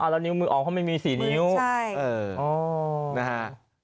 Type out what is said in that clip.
อ๋อแล้วนิ้วมือออกเขาไม่มีสี่นิ้วใช่